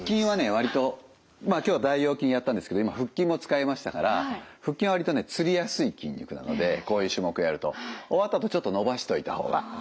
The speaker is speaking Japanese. わりとまあ今日は大腰筋やったんですけど今腹筋も使いましたから腹筋はわりとねつりやすい筋肉なのでこういう種目やると終わったあとちょっと伸ばしておいた方がいいです。